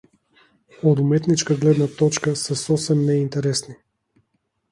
Од уметничка гледна точка се сосем неинтересни.